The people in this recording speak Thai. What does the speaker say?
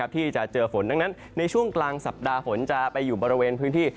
ที่จะเจอฝนดังนั้นในช่วงกลางสัปดาห์ฝนจะไปอยู่บริเวณพื้นที่